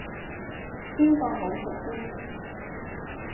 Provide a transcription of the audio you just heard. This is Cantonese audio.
邊個好食啲呢